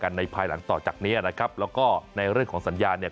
ในภายหลังต่อจากนี้นะครับแล้วก็ในเรื่องของสัญญาเนี่ย